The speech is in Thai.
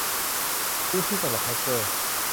พื้นที่สำหรับแฮกเกอร์